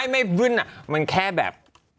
ไม่วึ่นอะมันแค่แบบ